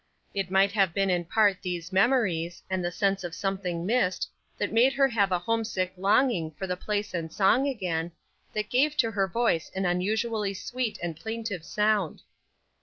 It might have been in part these memories, and the sense of something missed, that made her have a homesick longing for the place and song again, that gave to her voice an unusually sweet and plaintive sound.